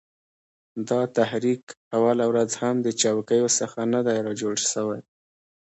دا تحریک اوله ورځ هم د چوکیو څخه نه دی را جوړ سوی